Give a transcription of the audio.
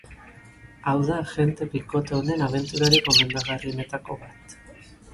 Hau da agente bikote honen abenturarik gomendagarrienetako bat.